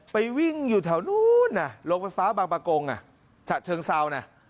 ไปวิ่งอยู่แถวนู้นน่ะลงฟ้าบางกงน่ะถัดเชิงเศร้านะ